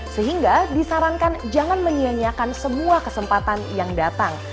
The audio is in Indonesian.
sehingga disarankan jangan menyianyikan semua kesempatan yang datang